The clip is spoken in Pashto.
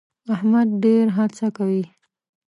احمد ډېر هڅه کوي.